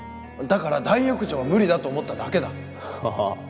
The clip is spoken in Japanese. だから大浴場は無理だと思っただけだああ